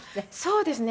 そうですね。